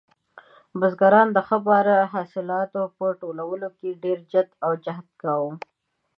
بزګران د ښه بار حاصلاتو په ټولولو کې ډېر جد او جهد کاوه.